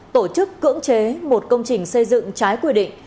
tổ chức cưỡng chế một công trình xây dựng trái quy định